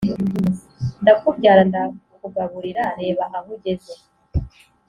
ndakubyara ndakugaburira reba aho ugeze